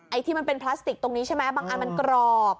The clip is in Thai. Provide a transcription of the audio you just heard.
ที่มันเป็นพลาสติกตรงนี้ใช่ไหมบางอันมันกรอบ